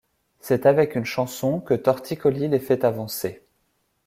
C’est avec une chanson que Torticolis les fait avancer.